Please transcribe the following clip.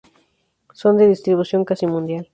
Son de distribución casi mundial.